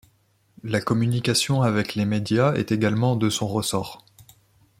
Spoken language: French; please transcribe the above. La communication avec les médias est également de son ressort.